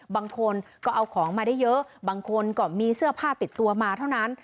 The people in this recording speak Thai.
บางคนก็เอาของมาได้เยอะบางคนก็มีเสื้อผ้าติดตัวมาเท่านั้น